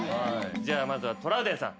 じゃあまずはトラウデンさん。